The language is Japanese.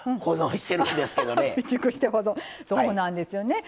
そうなんですよね。